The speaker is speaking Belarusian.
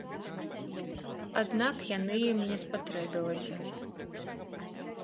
Аднак яны ім не спатрэбілася.